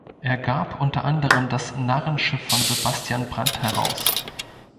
Er gab unter anderem das "Narrenschiff" von Sebastian Brant heraus.